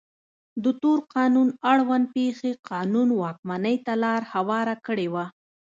د تور قانون اړوند پېښې قانون واکمنۍ ته لار هواره کړې وه.